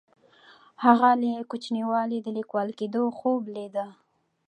هغه له کوچنیوالي د لیکوال کیدو خوب لیده.